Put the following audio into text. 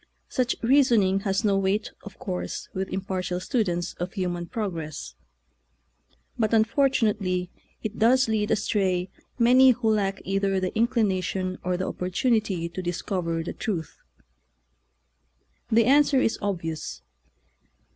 Such reasoning has no weight, of course, with impartial students of human prog ress, but unfortunately it does lead astray many who lack either the inclina tion or the opportunity to discover the truth. The answer is obvious.